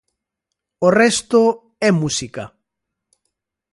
O resto é música.